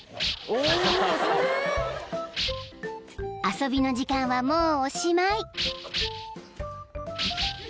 ［遊びの時間はもうおしまい］